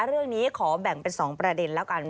เรื่องนี้ขอแบ่งเป็น๒ประเด็นแล้วกัน